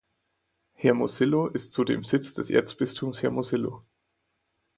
Hermosillo ist zudem Sitz des Erzbistums Hermosillo.